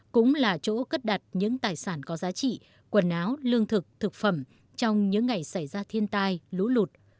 cũng là chỗ cất đặt những tài sản có giá trị quần áo lương thực thực phẩm trong những ngày xảy ra thiên tai lũ lụt